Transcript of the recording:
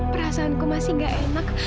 perasaanku masih gak enak